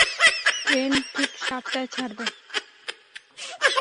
Train ঠিক সাতটায় ছাড়বে।